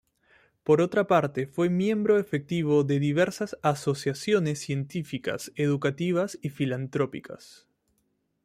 Por otra parte, fue miembro efectivo de diversas asociaciones científicas, educativas y filantrópicas.